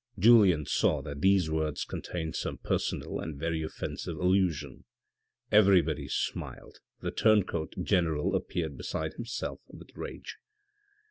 Julien saw that these words contained some personal and very offensive allusion. Everybody smiled, the turn coat general appeared beside himself with rage.